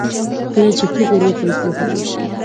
کله چې فکر وکړې، پوه به شې!